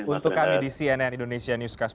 untuk kami di cnn indonesia newscast